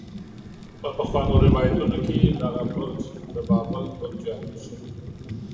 په پخوانو روايتونو کې دغه برج د بابل برج يادېږي.